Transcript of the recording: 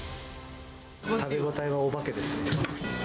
食べ応えのお化けですね。